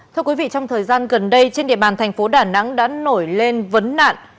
thưa quý vị trong thời gian gần đây trên địa bàn thành phố đà nẵng đã nổi lên vấn nạn